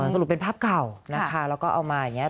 สรุปเป็นภาพเก่านะคะแล้วก็เอามาอย่างนี้